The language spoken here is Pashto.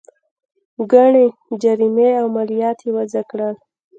ګڼې جریمې او مالیات یې وضعه کړل.